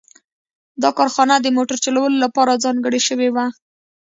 دا کارخانه د موټر جوړولو لپاره ځانګړې شوې وه